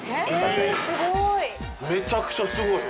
すごい！